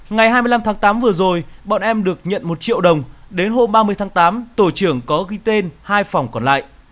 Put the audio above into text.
ngày hai mươi năm tháng tám vừa rồi bọn em được nhận một triệu đồng đến hôm ba mươi tháng tám tổ trưởng có ghi tên hai phòng còn lại